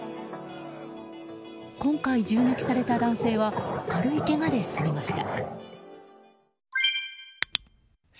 今回、銃撃された男性は軽いけがで済みました。